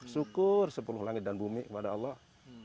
syukur sepuluh langit dan bumi kepada allah